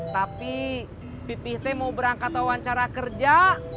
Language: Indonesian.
tapi pipih teh mau berangkat wawancara kerja